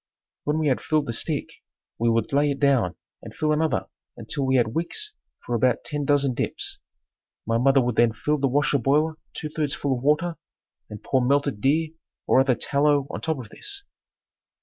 When we had filled the stick, we would lay it down and fill another until we had wicks for about ten dozen dips. My mother would then fill the wash boiler two thirds full of water and pour melted deer or other tallow on top of this.